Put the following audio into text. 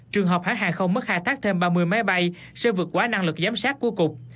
trường hợp hãng hàng không mất khai thác thêm ba mươi máy bay sẽ vượt quá năng lực giám sát của cục